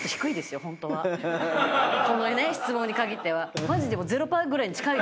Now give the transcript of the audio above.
この質問にかぎっては。